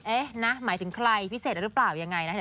เอ๊ะนะหมายถึงใครพิเศษหรือเปล่ายังไงนะ